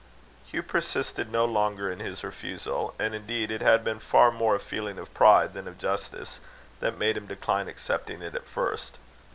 Hugh persisted no longer in his refusal; and indeed it had been far more a feeling of pride than of justice that made him decline accepting it at first.